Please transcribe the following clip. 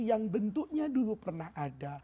yang bentuknya dulu pernah ada